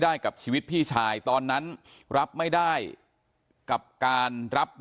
แม้นายเชิงชายผู้ตายบอกกับเราว่าเหตุการณ์ในครั้งนั้น